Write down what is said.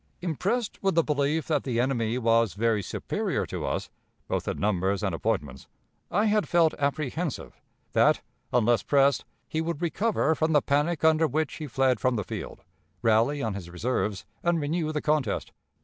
Impressed with the belief that the enemy was very superior to us, both in numbers and appointments, I had felt apprehensive that, unless pressed, he would recover from the panic under which he fled from the field, rally on his reserves, and renew the contest.